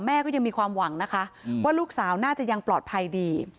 แม่ก็ยังมีความหวังนะคะว่าลูกสาวน่าจะยังปลอดภัยดี